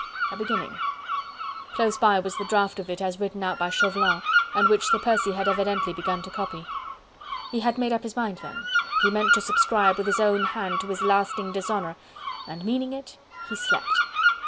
a beginning. Close by was the draft of it as written out by Chauvelin, and which Sir Percy had evidently begun to copy. He had made up his mind then.... He meant to subscribe with his own hand to his lasting dishonour... and meaning it, he slept!